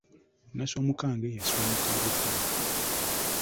N'asiwa mu kange, y'asiwa mu ka bukuku.